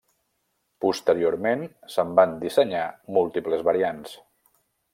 Posteriorment se'n van dissenyar múltiples variants.